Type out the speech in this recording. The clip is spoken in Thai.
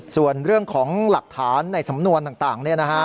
ส่วนเรื่องของหลักฐานในสำนวนต่างเนี่ยนะฮะ